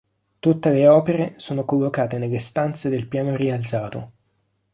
Tutte le opere sono collocate nelle stanze del piano rialzato.